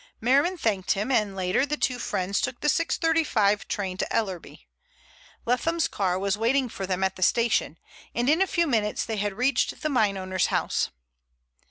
Merriman thanked him, and later on the two friends took the 6.35 train to Ellerby. Leatham's car was waiting for them at the station, and in a few minutes they had reached the mineowner's house.